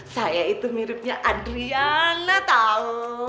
saya itu miripnya adriana tahu